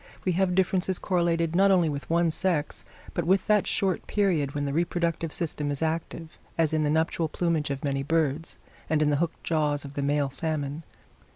We have differences correlated not only with one sex, but with that short period when the reproductive system is active, as in the nuptial plumage of many birds, and in the hooked jaws of the male salmon.